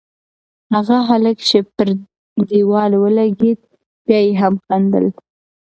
هغه هلک چې پر دېوال ولگېد، بیا یې هم خندل.